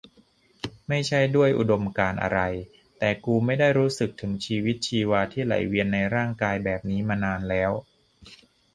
ไม่ใช่ด้วยอุดมการณ์อะไร แต่กูไม่ได้รู้สึกถึงชีวิตชีวาที่ไหลเวียนในร่างกายแบบนี้มานานแล้ว